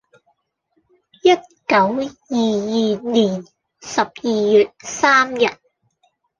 一九二二年十二月三日，